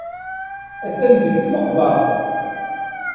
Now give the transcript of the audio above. Atan deg tmeqbert.